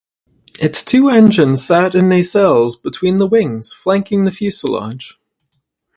Its two engines sat in nacelles between the wings, flanking the fuselage.